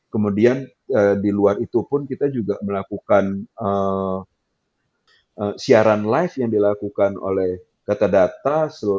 kemudian di luar itu pun kita juga melakukan siaran live yang dilakukan oleh data data